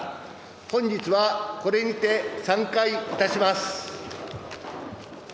本日はこれにて散会いたします。